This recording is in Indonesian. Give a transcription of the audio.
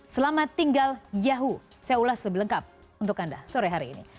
selamat tinggal yahoo saya ulas lebih lengkap untuk anda sore hari ini